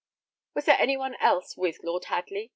"Was there any one else with Lord Hadley?"